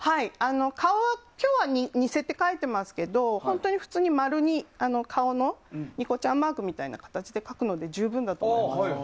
顔は今日は似せて描いていますけど本当に普通に丸で顔のニコちゃんマークみたいな感じで十分だと思います。